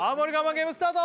ゲームスタート！